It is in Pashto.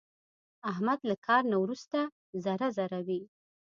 احمد له کار نه ورسته ذره ذره وي.